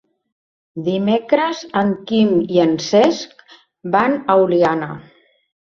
Dimecres en Quim i en Cesc van a Oliana.